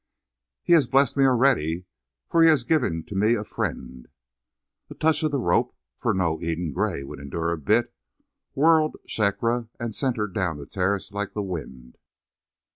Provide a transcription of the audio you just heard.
"He has blessed me already, for He has given to me a friend." A touch of the rope for no Eden Gray would endure a bit whirled Shakra and sent her down the terraces like the wind.